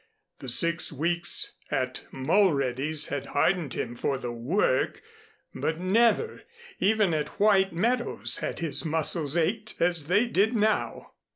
The six weeks at Mulready's had hardened him for the work, but never, even at White Meadows, had his muscles ached as they did now.